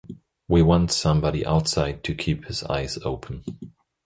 We want somebody outside to keep his eyes open.